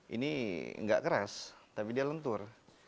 ini nggak keras tapi dia lentur